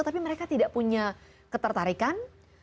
tapi mereka tidak punya ketertarikan